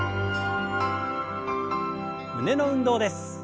胸の運動です。